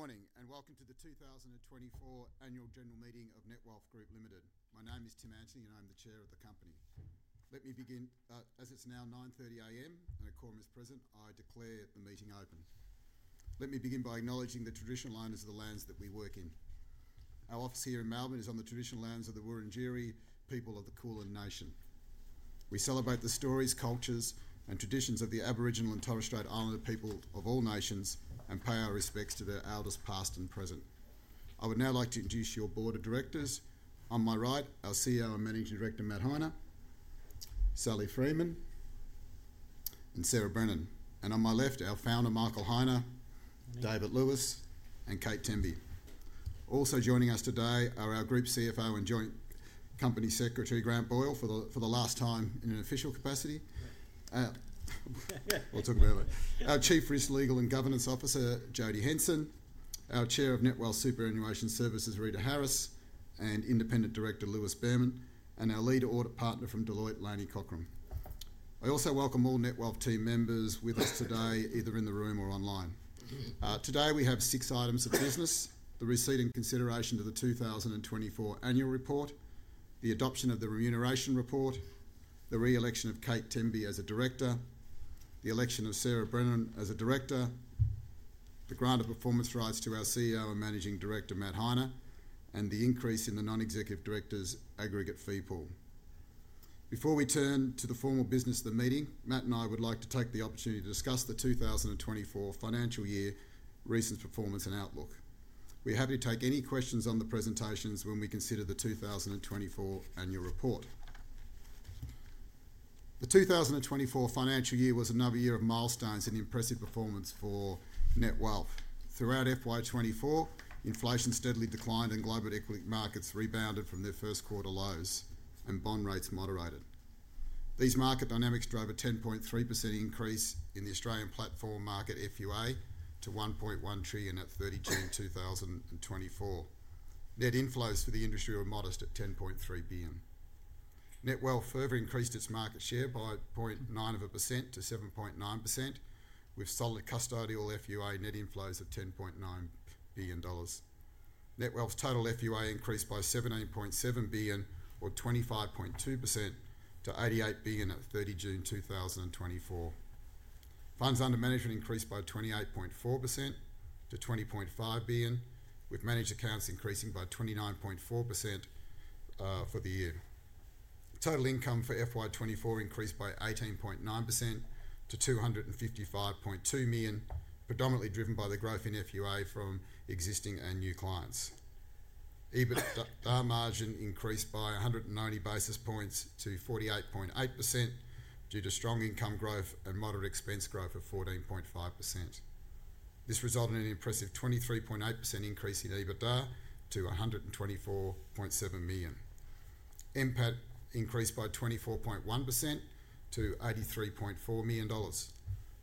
Good morning and welcome to the 2024 Annual General Meeting of Netwealth Group Ltd. My name is Tim Antonie and I'm the Chair of the company. Let me begin. As it's now 9:30 A.M. and the quorum is present, I declare the meeting open. Let me begin by acknowledging the traditional owners of the lands that we work in. Our office here in Melbourne is on the traditional lands of the Wurundjeri people of the Kulin Nation. We celebrate the stories, cultures, and traditions of the Aboriginal and Torres Strait Islander people of all nations and pay our respects to their elders past and present. I would now like to introduce your board of directors. On my right, our CEO and Managing Director, Matt Heine, Sally Freeman, and Sarah Brennan. And on my left, our founder, Michael Heine, Davyd Lewis, and Kate Temby. Also joining us today are our Group CFO and Joint Company Secretary, Grant Boyle, for for the last time in an official capacity. We'll talk about that. Our Chief Risk Legal and Governance Officer, Jodie Hampson, our Chair of Netwealth Superannuation Services, Rita Harris, and Independent Director, Lewis Bearman, and our Lead Audit Partner from Deloitte, Lani Cockrem. I also welcome all Netwealth team members with us today, either in the room or online. Today we have six items of business: the receipt and consideration of the 2024 Annual Report, the adoption of the Remuneration Report, the re-election of Kate Temby as a Director, the election of Sarah Brennan as a Director, the grant of Performance Rights to our CEO and Managing Director, Matt Heine, and the increase in the non-executive directors' aggregate fee pool. Before we turn to the formal business of the meeting, Matt and I would like to take the opportunity to discuss the 2024 financial year recent performance and outlook. We're happy to take any questions on the presentations when we consider the 2024 Annual Report. The 2024 financial year was another year of milestones and impressive performance for Netwealth. Throughout FY24, inflation steadily declined and global equity markets rebounded from their first quarter lows, and bond rates moderated. These market dynamics drove a 10.3% increase in the Australian platform market, FUA, to 1.1 trillion at 30 June 2024. Net inflows for the industry were modest at 10.3 billion. Netwealth further increased its market share by 0.9% to 7.9%, with solid custodial FUA net inflows of 10.9 billion dollars. Netwealth's total FUA increased by 17.7 billion, or 25.2%, to 88 billion at 30 June 2024. Funds under management increased by 28.4% to 20.5 billion, with managed accounts increasing by 29.4% for the year. Total income for FY24 increased by 18.9% to 255.2 million, predominantly driven by the growth in FUA from existing and new clients. EBITDA margin increased by 190 basis points to 48.8% due to strong income growth and moderate expense growth of 14.5%. This resulted in an impressive 23.8% increase in EBITDA to 124.7 million. NPAT increased by 24.1% to 83.4 million dollars.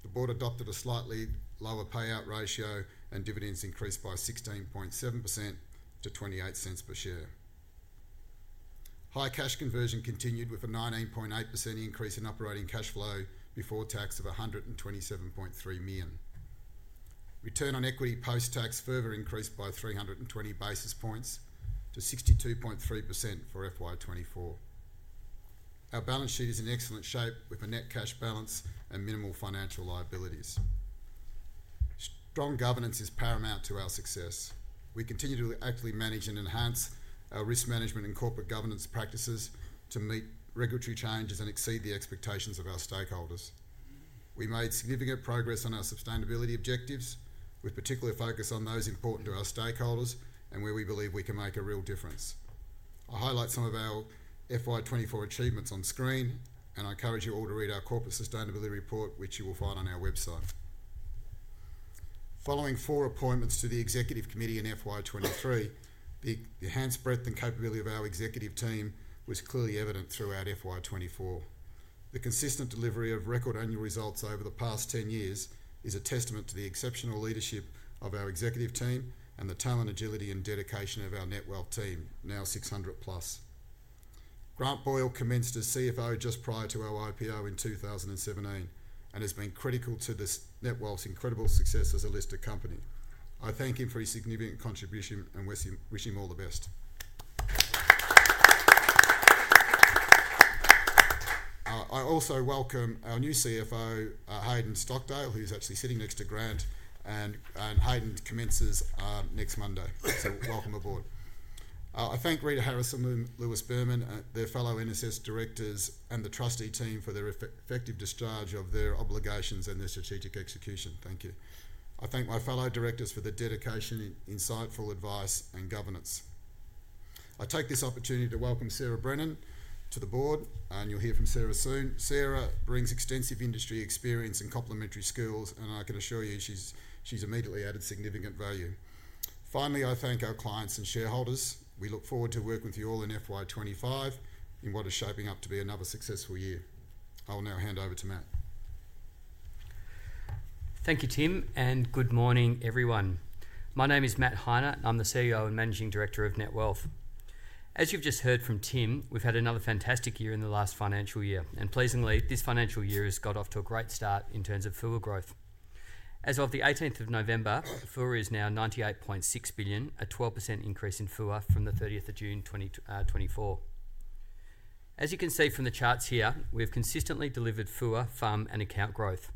The board adopted a slightly lower payout ratio, and dividends increased by 16.7% to 0.28 per share. High cash conversion continued with a 19.8% increase in operating cash flow before tax of 127.3 million. Return on equity post-tax further increased by 320 basis points to 62.3% for FY24. Our balance sheet is in excellent shape with a net cash balance and minimal financial liabilities. Strong governance is paramount to our success. We continue to actively manage and enhance our risk management and corporate governance practices to meet regulatory changes and exceed the expectations of our stakeholders. We made significant progress on our sustainability objectives, with particular focus on those important to our stakeholders and where we believe we can make a real difference. I highlight some of our FY24 achievements on screen and encourage you all to read our Corporate Sustainability Report, which you will find on our website. Following four appointments to the Executive Committee in FY23, the enhanced breadth and capability of our executive team was clearly evident throughout FY24. The consistent delivery of record annual results over the past 10 years is a testament to the exceptional leadership of our executive team and the talent, agility, and dedication of our Netwealth team, now 600 plus. Grant Boyle commenced as CFO just prior to our IPO in 2017 and has been critical to Netwealth's incredible success as a listed company. I thank him for his significant contribution and wish him all the best. I also welcome our new CFO, Hayden Stockdale, who's actually sitting next to Grant, and Hayden commences next Monday. So welcome aboard. I thank Rita Harris, Lewis Bearman, their fellow NSS directors, and the trustee team for their effective discharge of their obligations and their strategic execution. Thank you. I thank my fellow directors for their dedication, insightful advice, and governance. I take this opportunity to welcome Sarah Brennan to the board, and you'll hear from Sarah soon. Sarah brings extensive industry experience and complementary skills, and I can assure you she's immediately added significant value. Finally, I thank our clients and shareholders. We look forward to working with you all in FY25 in what is shaping up to be another successful year. I will now hand over to Matt. Thank you, Tim, and good morning, everyone. My name is Matt Heine, and I'm the CEO and Managing Director of Netwealth. As you've just heard from Tim, we've had another fantastic year in the last financial year, and pleasingly, this financial year has got off to a great start in terms of FUA growth. As of the 18th of November, FUA is now 98.6 billion, a 12% increase in FUA from the 30th of June 2024. As you can see from the charts here, we've consistently delivered FUA, FUM, and account growth.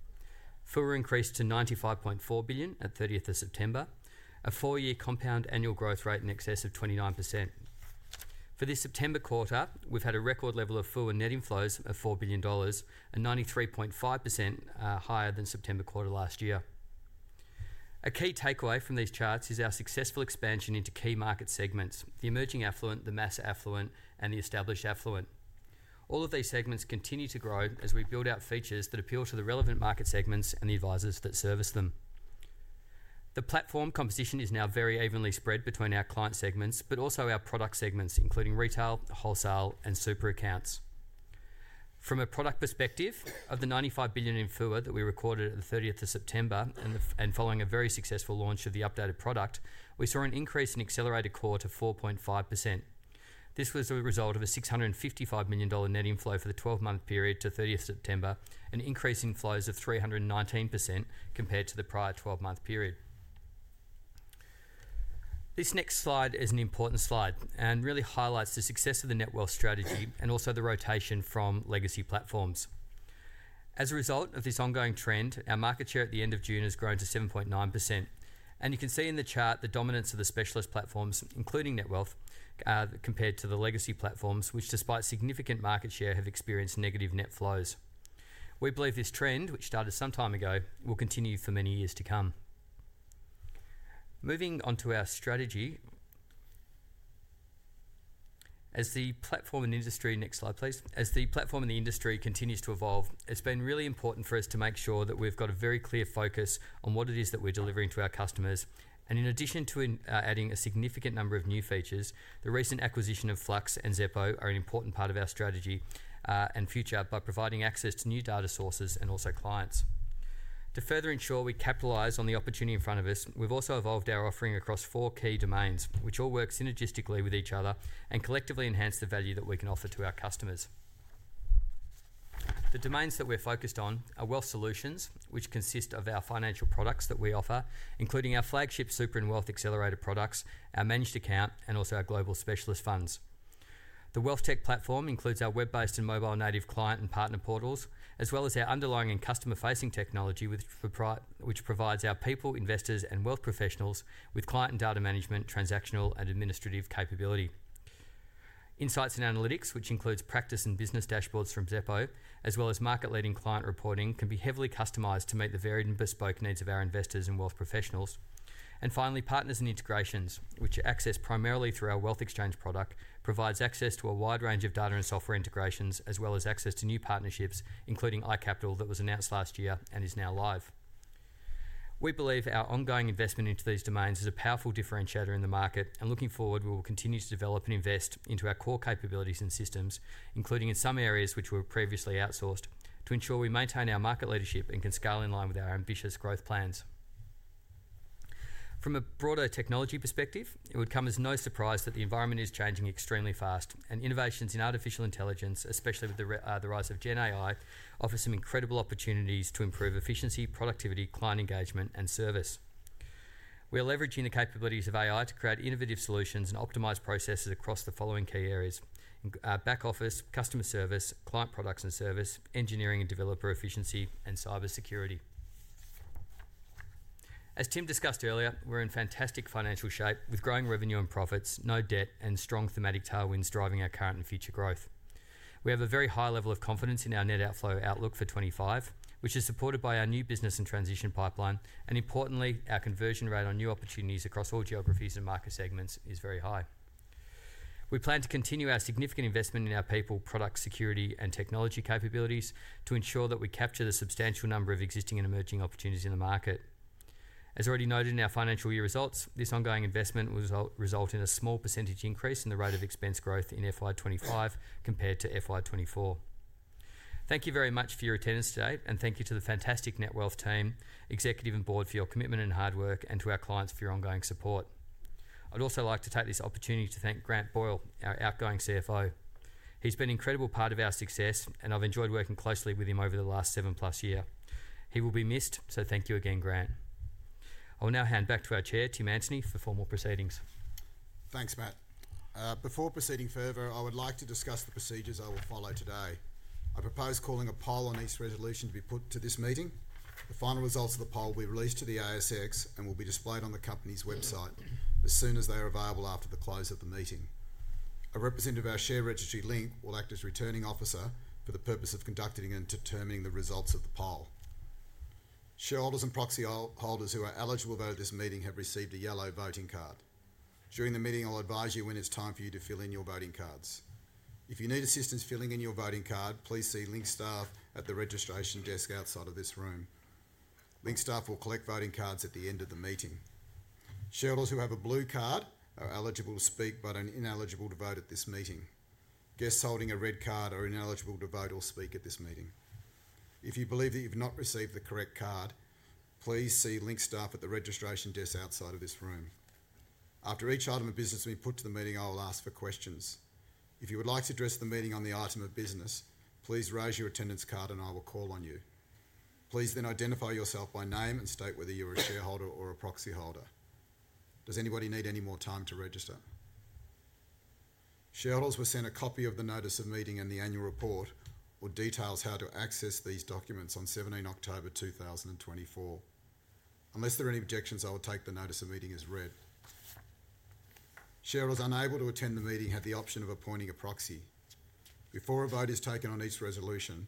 FUA increased to 95.4 billion at 30th of September, a four-year compound annual growth rate in excess of 29%. For this September quarter, we've had a record level of FUA net inflows of 4 billion dollars, a 93.5% higher than September quarter last year. A key takeaway from these charts is our successful expansion into key market segments: the emerging affluent, the mass affluent, and the established affluent. All of these segments continue to grow as we build out features that appeal to the relevant market segments and the advisors that service them. The platform composition is now very evenly spread between our client segments, but also our product segments, including retail, wholesale, and super accounts. From a product perspective, of the 95 billion in FUA that we recorded at the 30th of September and following a very successful launch of the updated product, we saw an increase in Accelerator Core to 4.5%. This was a result of a 655 million dollar net inflow for the 12-month period to 30th of September, an increase in flows of 319% compared to the prior 12-month period. This next slide is an important slide and really highlights the success of the Netwealth strategy and also the rotation from legacy platforms. As a result of this ongoing trend, our market share at the end of June has grown to 7.9%. And you can see in the chart the dominance of the specialist platforms, including Netwealth, compared to the legacy platforms, which, despite significant market share, have experienced negative net flows. We believe this trend, which started some time ago, will continue for many years to come. Moving on to our strategy. As the platform and industry, next slide, please, as the platform and the industry continues to evolve, it's been really important for us to make sure that we've got a very clear focus on what it is that we're delivering to our customers. And in addition to adding a significant number of new features, the recent acquisition of Flux and Xeppo are an important part of our strategy and future by providing access to new data sources and also clients. To further ensure we capitalize on the opportunity in front of us, we've also evolved our offering across four key domains, which all work synergistically with each other and collectively enhance the value that we can offer to our customers. The domains that we're focused on are wealth solutions, which consist of our financial products that we offer, including our flagship Super and Wealth Accelerator products, our managed account, and also our global specialist funds. The WealthTech platform includes our web-based and mobile native client and partner portals, as well as our underlying and customer-facing technology, which provides our people, investors, and wealth professionals with client and data management, transactional, and administrative capability. Insights and analytics, which includes practice and business dashboards from Xeppo, as well as market-leading client reporting, can be heavily customized to meet the varied and bespoke needs of our investors and wealth professionals. And finally, partners and integrations, which are accessed primarily through our Wealth Exchange product, provide access to a wide range of data and software integrations, as well as access to new partnerships, including iCapital that was announced last year and is now live. We believe our ongoing investment into these domains is a powerful differentiator in the market, and looking forward, we will continue to develop and invest into our core capabilities and systems, including in some areas which were previously outsourced, to ensure we maintain our market leadership and can scale in line with our ambitious growth plans. From a broader technology perspective, it would come as no surprise that the environment is changing extremely fast, and innovations in artificial intelligence, especially with the rise of GenAI, offer some incredible opportunities to improve efficiency, productivity, client engagement, and service. We are leveraging the capabilities of AI to create innovative solutions and optimize processes across the following key areas: back office, customer service, client products and service, engineering and developer efficiency, and cybersecurity. As Tim discussed earlier, we're in fantastic financial shape with growing revenue and profits, no debt, and strong thematic tailwinds driving our current and future growth. We have a very high level of confidence in our net outflow outlook for 2025, which is supported by our new business and transition pipeline, and importantly, our conversion rate on new opportunities across all geographies and market segments is very high. We plan to continue our significant investment in our people, product, security, and technology capabilities to ensure that we capture the substantial number of existing and emerging opportunities in the market. As already noted in our financial year results, this ongoing investment will result in a small percentage increase in the rate of expense growth in FY25 compared to FY24. Thank you very much for your attendance today, and thank you to the fantastic Netwealth team, executive and board for your commitment and hard work, and to our clients for your ongoing support. I'd also like to take this opportunity to thank Grant Boyle, our outgoing CFO. He's been an incredible part of our success, and I've enjoyed working closely with him over the last seven-plus years. He will be missed, so thank you again, Grant. I will now hand back to our Chair, Tim Antonie, for formal proceedings. Thanks, Matt. Before proceeding further, I would like to discuss the procedures I will follow today. I propose calling a poll on each resolution to be put to this meeting. The final results of the poll will be released to the ASX and will be displayed on the company's website as soon as they are available after the close of the meeting. A representative of our share registry Link will act as returning officer for the purpose of conducting and determining the results of the poll. Shareholders and proxy holders who are eligible to vote at this meeting have received a yellow voting card. During the meeting, I'll advise you when it's time for you to fill in your voting cards. If you need assistance filling in your voting card, please see Link staff at the registration desk outside of this room. Link staff will collect voting cards at the end of the meeting. Shareholders who have a blue card are eligible to speak but are ineligible to vote at this meeting. Guests holding a red card are ineligible to vote or speak at this meeting. If you believe that you've not received the correct card, please see Link staff at the registration desk outside of this room. After each item of business has been put to the meeting, I will ask for questions. If you would like to address the meeting on the item of business, please raise your attendance card and I will call on you. Please then identify yourself by name and state whether you're a shareholder or a proxy holder. Does anybody need any more time to register? Shareholders were sent a copy of the Notice of Meeting and the annual report, which details how to access these documents on 17 October 2024. Unless there are any objections, I will take the Notice of Meeting as read. Shareholders unable to attend the meeting have the option of appointing a proxy. Before a vote is taken on each resolution,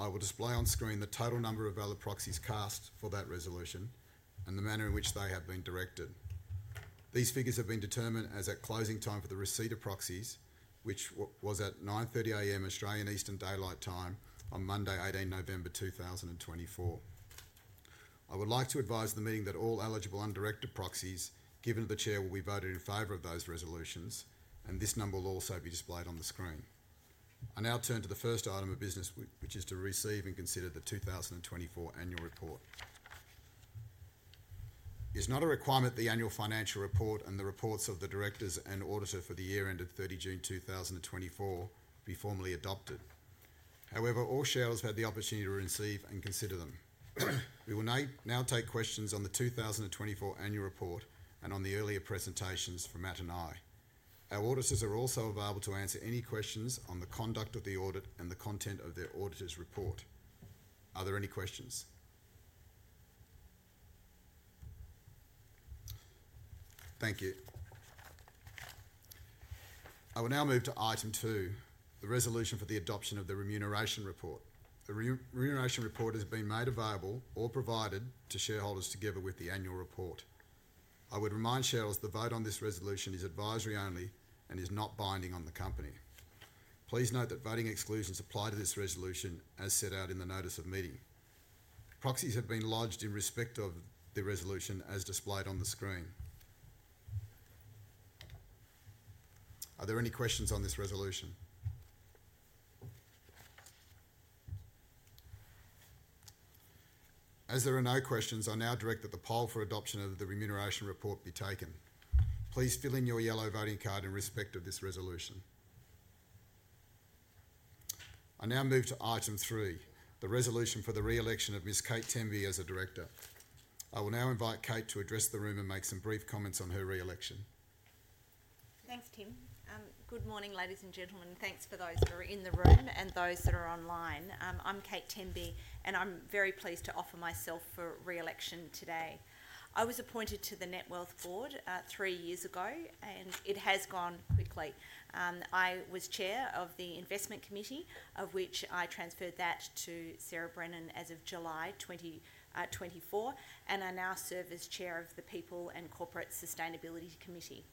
I will display on screen the total number of valid proxies cast for that resolution and the manner in which they have been directed. These figures have been determined as at closing time for the receipt of proxies, which was at 9:30 A.M. Australian Eastern Daylight Time on Monday, 18 November 2024. I would like to advise the meeting that all eligible undirected proxies given to the chair will be voted in favor of those resolutions, and this number will also be displayed on the screen. I now turn to the first item of business, which is to receive and consider the 2024 annual report. It's not a requirement that the annual financial report and the reports of the directors and auditor for the year ended 30 June 2024 be formally adopted. However, all shareholders have had the opportunity to receive and consider them. We will now take questions on the 2024 annual report and on the earlier presentations from Matt and I. Our auditors are also available to answer any questions on the conduct of the audit and the content of their auditor's report. Are there any questions? Thank you. I will now move to item two, the resolution for the adoption of the remuneration report. The remuneration report has been made available or provided to shareholders together with the annual report. I would remind shareholders that the vote on this resolution is advisory only and is not binding on the company. Please note that voting exclusions apply to this resolution as set out in the Notice of Meeting. Proxies have been lodged in respect of the resolution as displayed on the screen. Are there any questions on this resolution? As there are no questions, I now direct that the poll for adoption of the Remuneration report be taken. Please fill in your yellow voting card in respect of this resolution. I now move to item three, the resolution for the reelection of Ms. Kate Temby as a director. I will now invite Kate to address the room and make some brief comments on her reelection. Thanks, Tim. And good morning, ladies and gentlemen. Thanks for those who are in the room and those that are online. I'm Kate Temby, and I'm very pleased to offer myself for reelection today. I was appointed to the Netwealth Board three years ago, and it has gone quickly. I was Chair of the Investment Committee, of which I transferred that to Sarah Brennan as of July 2024, and I now serve as Chair of the People and Corporate Sustainability Committee.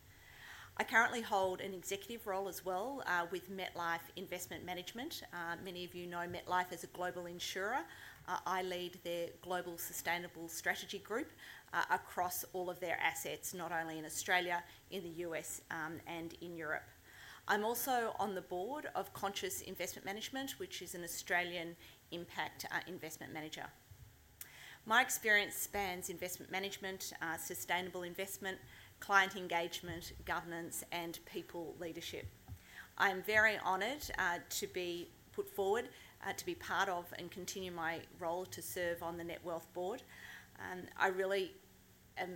I currently hold an executive role as well with MetLife Investment Management. Many of you know MetLife as a global insurer. I lead their Global Sustainable Strategy Group across all of their assets, not only in Australia, in the U.S., and in Europe. I'm also on the board of Conscious Investment Management, which is an Australian impact investment manager. My experience spans investment management, sustainable investment, client engagement, governance, and people leadership. I am very honored to be put forward to be part of and continue my role to serve on the Netwealth Board. And I really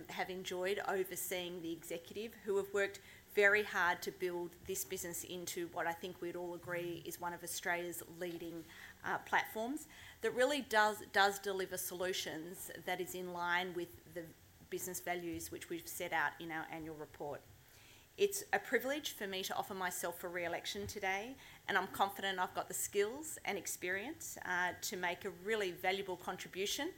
have enjoyed overseeing the executive who have worked very hard to build this business into what I think we'd all agree is one of Australia's leading platforms that really does does deliver solutions that are in line with the business values which we've set out in our annual report. It's a privilege for me to offer myself for reelection today, and I'm confident I've got the skills and experience to make a really valuable contribution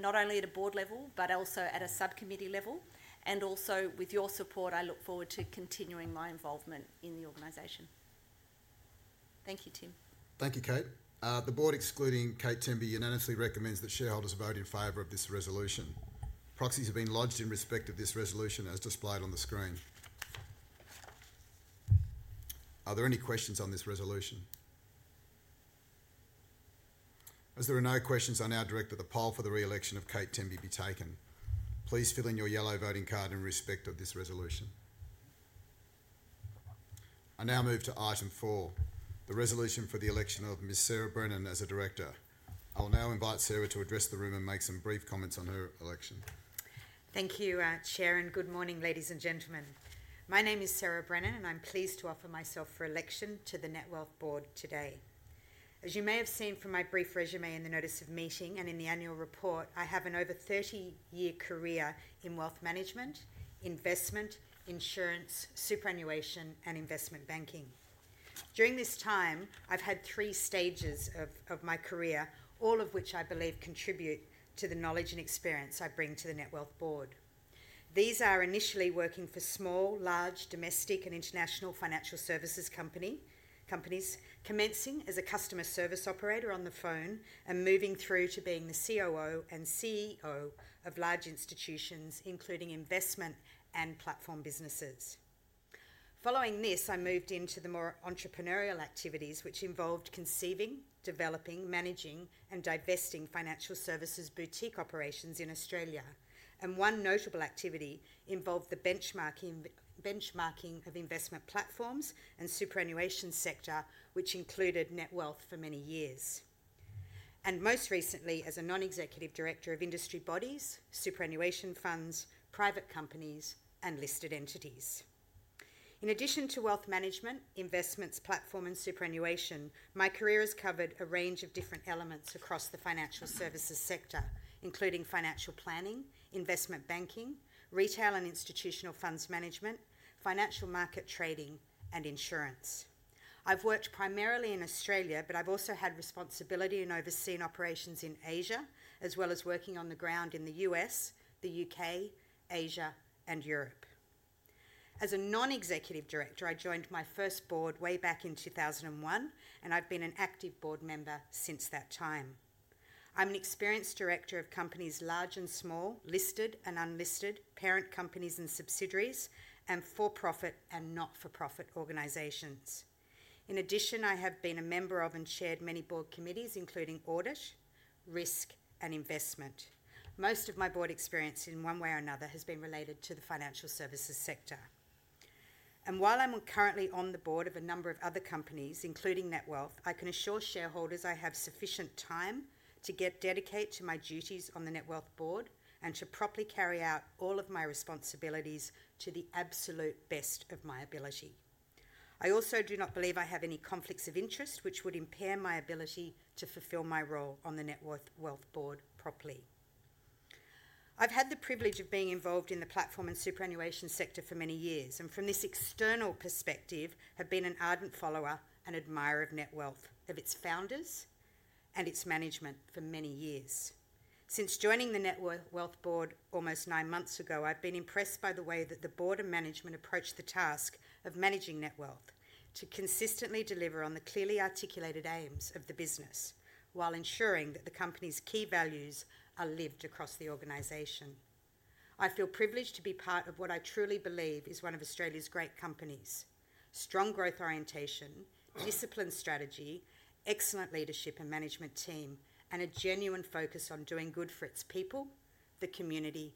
not only at a board level, but also at a subcommittee level, and also, with your support, I look forward to continuing my involvement in the organization. Thank you, Tim. Thank you, Kate. The board, excluding Kate Temby, unanimously recommends that shareholders vote in favor of this resolution. Proxies have been lodged in respect of this resolution as displayed on the screen. Are there any questions on this resolution? As there are no questions, I now direct that the poll for the reelection of Kate Temby be taken. Please fill in your yellow voting card in respect of this resolution. I now move to item four, the resolution for the election of Ms. Sarah Brennan as a director. I will now invite Sarah to address the room and make some brief comments on her election. Thank you, Chair, and good morning, ladies and gentlemen. My name is Sarah Brennan, and I'm pleased to offer myself for election to the Netwealth Board today. As you may have seen from my brief resume in the Notice of Meeting and in the annual report, I have an over 30-year career in wealth management, investment, insurance, superannuation, and investment banking. During this time, I've had three stages of my career, all of which I believe contribute to the knowledge and experience I bring to the Netwealth Board. These are initially working for small, large, domestic, and international financial services company, companies, commencing as a customer service operator on the phone and moving through to being the COO and CEO of large institutions, including investment and platform businesses. Following this, I moved into the more entrepreneurial activities, which involved conceiving, developing, managing, and divesting financial services boutique operations in Australia. And one notable activity involved the benchmarking, benchmarking of investment platforms and superannuation sector, which included Netwealth for many years. And most recently, as a Non-Executive Director of industry bodies, superannuation funds, private companies, and listed entities. In addition to wealth management, investments, platform, and superannuation, my career has covered a range of different elements across the financial services sector, including financial planning, investment banking, retail and institutional funds management, financial market trading, and insurance. I've worked primarily in Australia, but I've also had responsibility and overseen operations in Asia, as well as working on the ground in the U.S., the U.K., Asia, and Europe. As a Non-Executive Director, I joined my first board way back in 2001, and I've been an active board member since that time. I'm an experienced director of companies large and small, listed and unlisted, parent companies and subsidiaries, and for-profit and not-for-profit organizations. In addition, I have been a member of and chaired many board committees, including audit, risk, and investment. Most of my board experience in one way or another has been related to the financial services sector. And while I'm currently on the board of a number of other companies, including Netwealth, I can assure shareholders I have sufficient time to dedicate to my duties on the Netwealth Board and to properly carry out all of my responsibilities to the absolute best of my ability. I also do not believe I have any conflicts of interest which would impair my ability to fulfill my role on the Netwealth Board properly. I've had the privilege of being involved in the platform and superannuation sector for many years, and from this external perspective, have been an ardent follower and admirer of Netwealth, of its founders and its management for many years. Since joining the Netwealth Board almost nine months ago, I've been impressed by the way that the board of management approached the task of managing Netwealth to consistently deliver on the clearly articulated aims of the business while ensuring that the company's key values are lived across the organization. I feel privileged to be part of what I truly believe is one of Australia's great companies: strong growth orientation, disciplined strategy, excellent leadership and management team, and a genuine focus on doing good for its people, the community,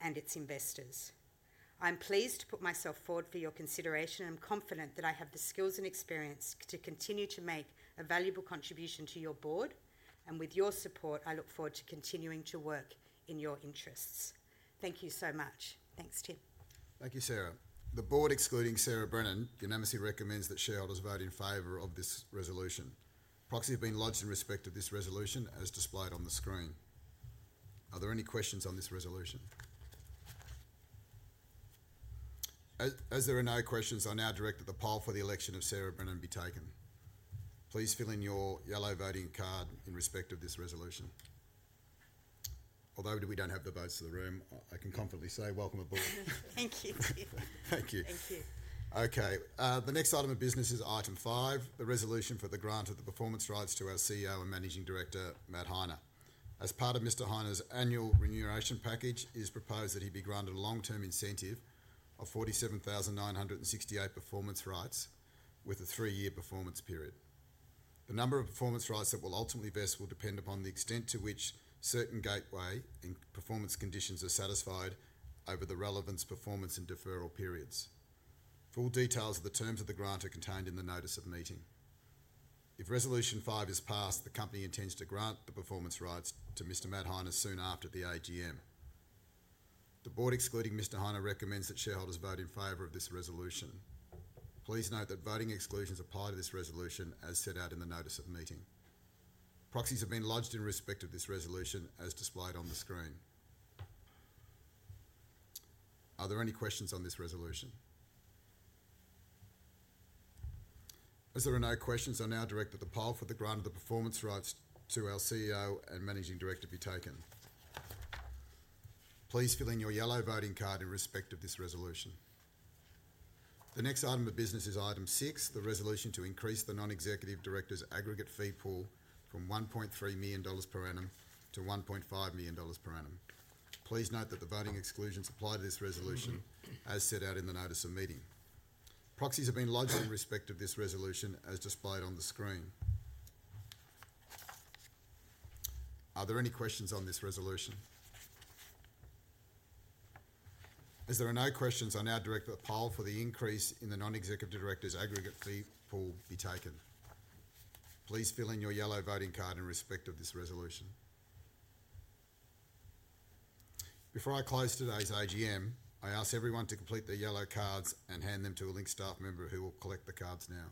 and its investors. I'm pleased to put myself forward for your consideration, and I'm confident that I have the skills and experience to continue to make a valuable contribution to your board, and with your support, I look forward to continuing to work in your interests. Thank you so much. Thanks, Tim. Thank you, Sarah. The board, excluding Sarah Brennan, unanimously recommends that shareholders vote in favor of this resolution. Proxies have been lodged in respect of this resolution as displayed on the screen. Are there any questions on this resolution? As there are no questions, I now direct that the poll for the election of Sarah Brennan be taken. Please fill in your yellow voting card in respect of this resolution. Although we don't have the votes of the room, I can confidently say welcome aboard. Thank you, Tim. Thank you. Thank you. Okay. The next item of business is item five, the resolution for the grant of the performance rights to our CEO and Managing Director, Matt Heine. As part of Mr. Heine's annual remuneration package, it is proposed that he be granted a long-term incentive of 47,968 performance rights with a three-year performance period. The number of performance rights that will ultimately vest will depend upon the extent to which certain gateway and performance conditions are satisfied over the relevant, performance, and deferral periods. Full details of the terms of the grant are contained in the Notice of Meeting. If resolution five is passed, the company intends to grant the performance rights to Mr. Matt Heine soon after the AGM. The board, excluding Mr. Heine, recommends that shareholders vote in favor of this resolution. Please note that voting exclusions are part of this resolution as set out in the Notice of Meeting. Proxies have been lodged in respect of this resolution as displayed on the screen. Are there any questions on this resolution? As there are no questions, I now direct that the poll for the grant of the Performance Rights to our CEO and Managing Director be taken. Please fill in your yellow voting card in respect of this resolution. The next item of business is item six, the resolution to increase the Non-Executive Director's aggregate fee pool from 1.3 million dollars per annum to 1.5 million dollars per annum. Please note that the voting exclusions apply to this resolution as set out in the Notice of Meeting. Proxies have been lodged in respect of this resolution as displayed on the screen. Are there any questions on this resolution? As there are no questions, I now direct that the poll for the increase in the non-executive director's aggregate fee pool be taken. Please fill in your yellow voting card in respect of this resolution. Before I close today's AGM, I ask everyone to complete their yellow cards and hand them to a Link staff member who will collect the cards now.